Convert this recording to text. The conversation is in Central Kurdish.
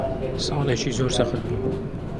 ساڵێکی زۆر سەخت بوو.